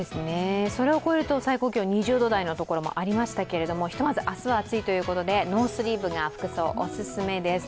それを超えると最高気温２０度台のところもありましたが、ひとまず明日は暑いということで、ノースリーブが服装、お勧めです。